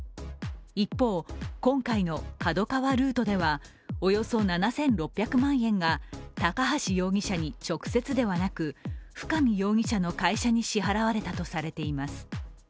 一方、今回のＫＡＤＯＫＡＷＡルートではおよそ７６００万円が高橋容疑者に直接ではなく深見容疑者の会社に支払われたとしています。